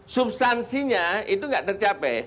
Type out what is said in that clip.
substansinya itu tidak tercapai